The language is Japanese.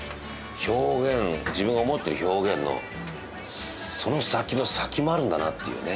自分が思ってる表現のその先の先もあるんだなっていうね